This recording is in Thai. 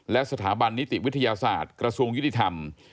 และสถาบันนิติวิทยาศาสตร์กระทรวงยุติธรรม